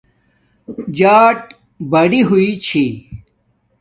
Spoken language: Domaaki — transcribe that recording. جݳٹبڑئ ہݸئئ چھّی